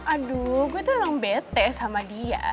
aduh gue tuh orang bete sama dia